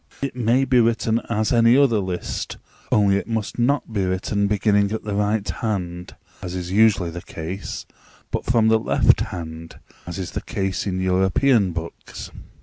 It may be written as any other list, only it must not be written beginning at the right hand, as is usually the case, but from the left hand (as is the case in European books).